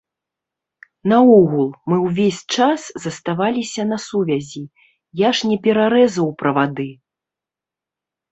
Наогул, мы ўвесь час заставаліся на сувязі, я ж не перарэзаў правады!